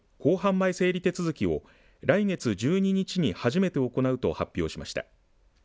前整理手続きを来月１２日に初めて行うと発表しました。